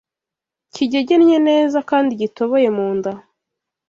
kigegennye neza kandi gitoboye mu nda